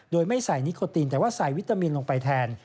โดยไม่ใส่นิโคตินแต่ว่าใส่วิตามินลงไปแทน